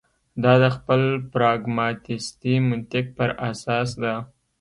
دا د خپل پراګماتیستي منطق پر اساس ده.